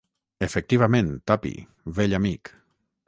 Efectivament, Tuppy, vell amic.